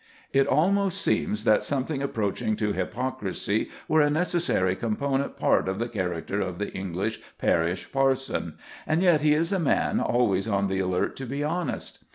It almost seems that something approaching to hypocrisy were a necessary component part of the character of the English parish parson, and yet he is a man always on the alert to be honest.